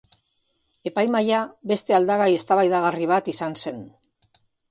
Epaimahaia beste aldagai eztabaidagarri bat izan zen.